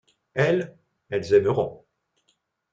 Elles, elles aimeront.